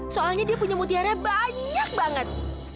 soalnya dia punya mutiara banyak banget